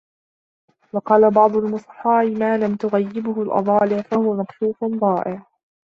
وَقَالَ بَعْضُ الْفُصَحَاءِ مَا لَمْ تُغَيِّبْهُ الْأَضَالِعُ فَهُوَ مَكْشُوفٌ ضَائِعٌ